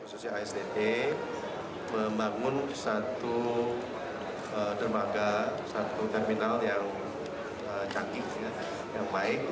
ini adalah satu terminal yang cantik yang baik